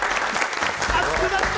熱くなった！